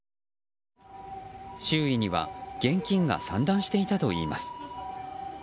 周囲には現金が散乱していたといいます。